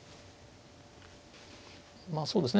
まあそうですね